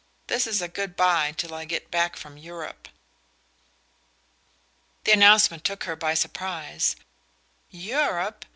This is good bye till I get back from Europe." The announcement took her by surprise. "Europe?